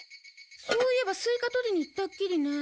そういえばスイカ取りに行ったっきりね。